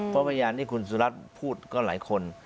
เพราะพยานที่คุณสุรัตน์พูดก็หลายคน